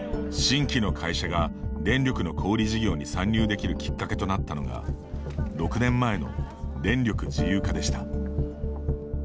新規の会社が電力の小売り事業に参入できるきっかけとなったのが６年前の電力自由化でした。